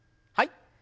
はい。